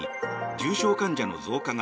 重症患者の増加が